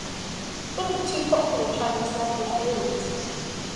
It is one of two popular Chinese language dailies.